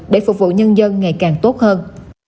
để phục vụ nhân dân ngày càng tốt hơn